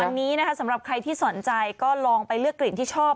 วันนี้นะคะสำหรับใครที่สนใจก็ลองไปเลือกกลิ่นที่ชอบ